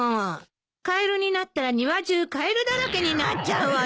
カエルになったら庭中カエルだらけになっちゃうわよ！